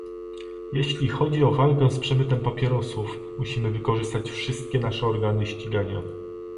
Jeśli chodzi o walkę z przemytem papierosów, musimy wykorzystać wszystkie nasze organy ścigania